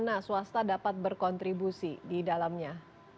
menurut anda sejauh mana swasta dapat berkontribusi di dalamnya